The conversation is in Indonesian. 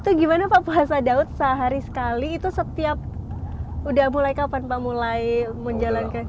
itu gimana pak puasa daud sehari sekali itu setiap udah mulai kapan pak mulai menjalankan